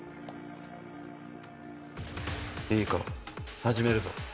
いいか始めるぞ。